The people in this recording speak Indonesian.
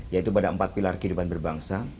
yaitu pada empat pilar kehidupan berbangsa